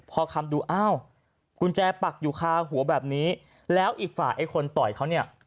พอคำดูอ้าวกุญแจปักอยู่คาหัวแบบนี้แล้วอีกฝ่ายไอ้คนต่อยเขาเนี่ย